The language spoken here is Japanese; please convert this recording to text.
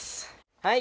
はい！